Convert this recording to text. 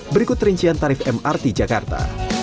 berikut rincian tarif mrt jakarta